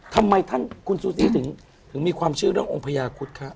ทำไมท่านคุณซูซีถึงมีความเชื่อเรื่ององค์พญาคุฎคะ